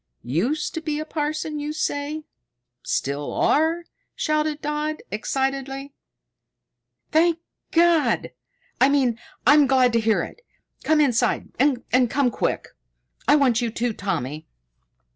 "Used to be a parson, you say? Still are?" shouted Dodd excitedly. "Thank God! I mean, I'm glad to hear it. Come inside, and come quick. I want you too, Tommy!"